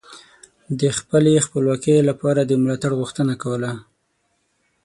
د خپلې خپلواکۍ لپاره د ملاتړ غوښتنه کوله